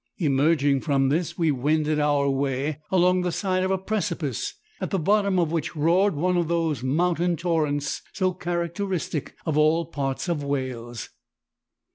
Emerging from this, we wended our way along the side of a precipice, at the bottom of which roared one of those mountain torrents so characteristic of all parts of Wales.